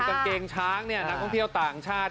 กางเกงช้างเนี่ยนักท่องเที่ยวต่างชาติ